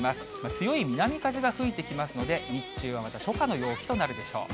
強い南風が吹いてきますので、日中はまた初夏の陽気となるでしょう。